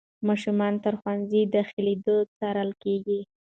ماشومان تر ښوونځي داخلېدو څارل کېږي.